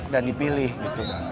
dan dipilih gitu